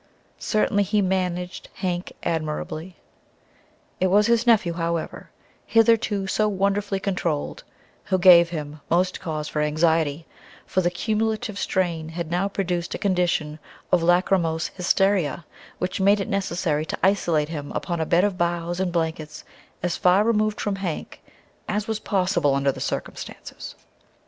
Certainly he "managed" Hank admirably. It was his nephew, however, hitherto so wonderfully controlled, who gave him most cause for anxiety, for the cumulative strain had now produced a condition of lachrymose hysteria which made it necessary to isolate him upon a bed of boughs and blankets as far removed from Hank as was possible under the circumstances.